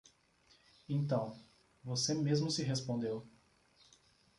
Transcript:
Então, você mesmo se respondeu